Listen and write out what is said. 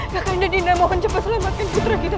kakanda dinda mohon cepat selamatkan putra kita